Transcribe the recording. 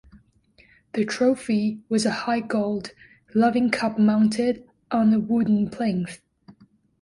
The trophy was a high gold loving cup mounted on a wooden plinth.